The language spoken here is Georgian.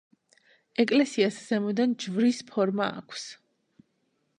ეკლესიას ზემოდან ჯვრის ფორმა აქვს.